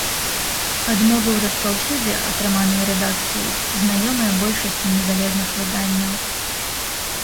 Адмовы ў распаўсюдзе, атрыманыя рэдакцыяй, знаёмыя большасці незалежных выданняў.